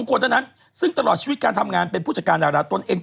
คนเท่านั้นซึ่งตลอดชีวิตการทำงานเป็นผู้จัดการดาราตนเอง